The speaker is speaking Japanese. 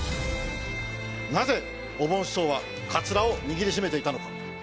なぜおぼん師匠はカツラを握り締めていたのか。